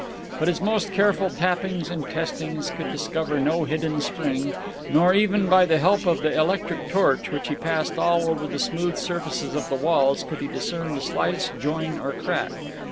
But his most careful tappings and testings could discover no hidden spring, nor, even by the help of the electric torch which he passed all over the smooth surfaces of the walls could he discern the slightest join or crack.